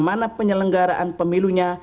mana penyelenggaraan pemilunya